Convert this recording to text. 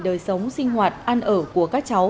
đời sống sinh hoạt ăn ở của các cháu